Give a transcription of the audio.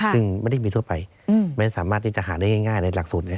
ซึ่งไม่ได้มีทั่วไปไม่สามารถที่จะหาได้ง่ายในหลักสูตรนี้